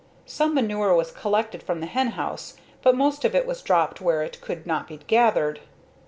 Some manure was collected from the hen house but most of it was dropped where it could not be gathered.